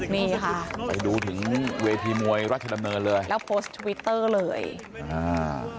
นี่ค่ะไปดูถึงเวทีมวยราชดำเนินเลยแล้วโพสต์ทวิตเตอร์เลยอ่า